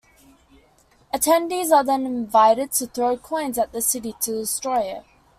Attendees are then invited to throw coins at the city to destroy it.